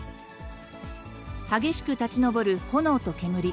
激しく立ち上る炎と煙。